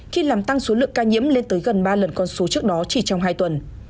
khi làm tăng số lượng ca nhiễm lên tới gần ba lần con số trước đó chỉ trong hai tuần